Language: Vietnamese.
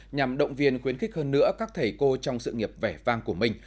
nhằm động viên khuyến khích hơn nữa các thầy cô trong sự nghiệp vẻ vang của mình